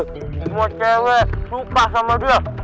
semua cewek lupa sama dia